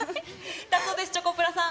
だそうです、チョコプラさん。